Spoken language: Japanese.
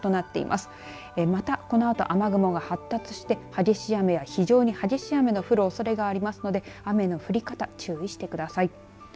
また、このあと雨雲が発達して激しい雨や非常に激しい雨の降るおそれがありますので雨の降り方、注意してください。